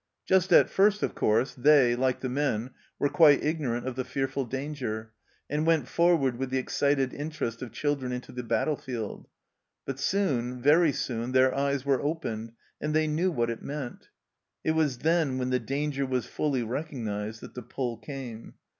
Just at first of course, they, like the men, were quite ignorant of the fearful danger, and went forward with the excited interest of children into the battle field ; but soon, very soon, their eyes were opened, and they knew what it meant. It was then, when the danger was fully recognized, that the pull came